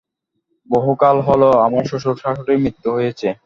বহুকাল হল আমার শ্বশুর-শাশুড়ির মৃত্যু হয়েছে।